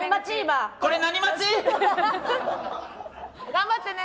頑張ってね。